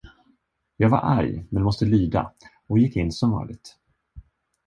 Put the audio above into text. Jag var arg, men måste lyda, och gick in som vanligt.